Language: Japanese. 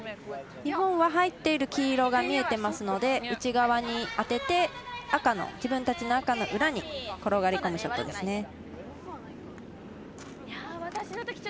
日本は入っている黄色が見えていますので内側に当てて自分たちの赤の裏に転がり込むショットですね。